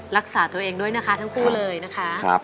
รักษาตัวเองด้วยนะคะทั้งคู่เลยนะคะ